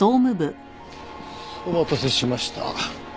お待たせしました。